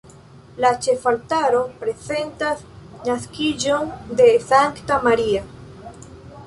La ĉefaltaro prezentas naskiĝon de Sankta Maria.